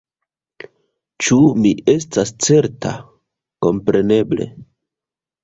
Ĉu mi estas certa? Kompreneble.